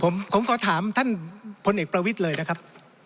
ผมขอถามท่านพลเอกประวิทย์เลยนะครับ